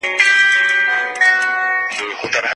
د سیاسي ژوند سره د مدني ټولنې اړیکې باید روښانه سي.